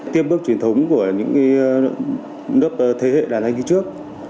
tiếp bước truyền thống của những đất thế hệ đàn anh như trước